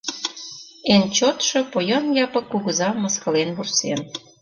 Эн чотшо поян Япык кугыза мыскылен вурсен: